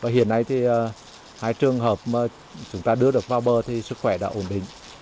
hiện nay hai trường hợp chúng ta đưa được vào bờ thì sức khỏe đã ổn định